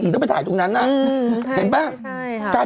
ทำไม